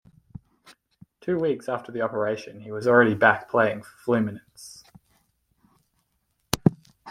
Two weeks after the operation he was already back playing for Fluminense.